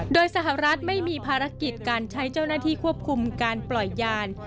โดยสหรัฐไม่มีภารกิจการใช้เจ้าหน้าที่ควบคุมการปล่อยยาน